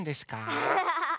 アハハハ！